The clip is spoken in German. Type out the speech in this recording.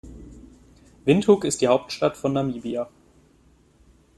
Windhoek ist die Hauptstadt von Namibia.